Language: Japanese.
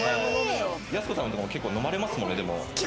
やす子さん結構飲まれますもんね。